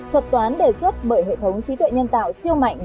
thuật toán đề xuất bởi hệ thống trí tuệ nhân tạo siêu mạnh